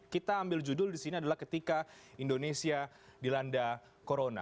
kita ambil judul disini adalah ketika indonesia dilanda corona